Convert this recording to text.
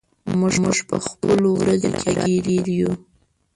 موږ په خپلو ورځو کې راګیر یو.